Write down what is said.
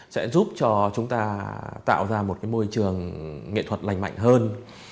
sẽ giúp cho chúng ta tạo ra một môi trường nghệ thuật lành mạnh hơn